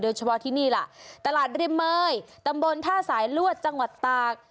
เฉพาะที่นี่ล่ะตลาดริมเมยตำบลท่าสายลวดจังหวัดตาก